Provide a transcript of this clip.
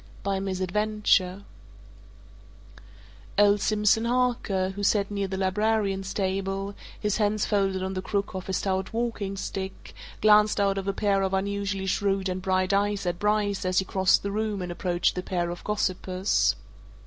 BY MISADVENTURE Old Simpson Harker, who sat near the librarian's table, his hands folded on the crook of his stout walking stick, glanced out of a pair of unusually shrewd and bright eyes at Bryce as he crossed the room and approached the pair of gossipers.